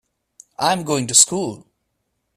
I'm going to school.